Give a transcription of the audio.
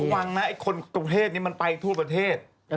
ต้องห่วงนะกรมเทศนี้มันไปทั่วประเทศ